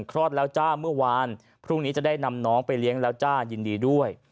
คลอดแล้วจ้าเมื่อวานพรุ่งนี้จะได้นำน้องไปเลี้ยงแล้วจ้ายินดีด้วย